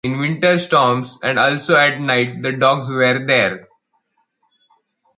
In winter storms, and also at night, the dogs were there.